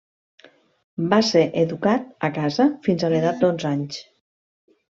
Va ser educat a casa fins a l'edat d'onze anys.